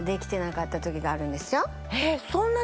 えっ。